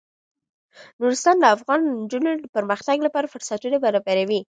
نورستان د افغان نجونو د پرمختګ لپاره فرصتونه برابروي.